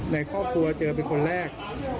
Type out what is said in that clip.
ในครอบครัวเจอเป็นคนแรก